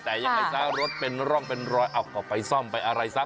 แต่ยังไงซะรถเป็นร่องเป็นรอยเอาก็ไปซ่อมไปอะไรซะ